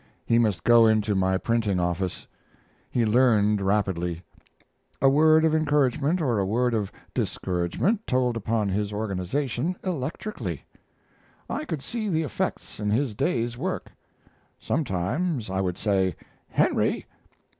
He must go into my printing office. He learned rapidly. A word of encouragement or a word of discouragement told upon his organization electrically. I could see the effects in his day's work. Sometimes I would say, "Henry!"